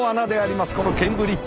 このケンブリッジ。